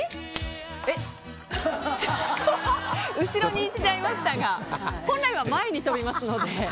えっ、後ろに行っちゃいましたが本来は前に飛びますので。